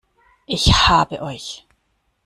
Ich habe euch!